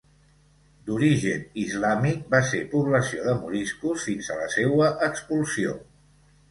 D'origen islàmic, va ser població de moriscos fins a la seua expulsió.